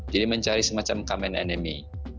jadi mencari semacam kamen enemy